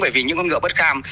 bởi vì những con ngựa bất kham